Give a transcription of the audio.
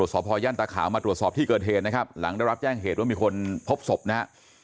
สพย่านตาขาวมาตรวจสอบที่เกิดเหตุนะครับหลังได้รับแจ้งเหตุว่ามีคนพบศพนะฮะ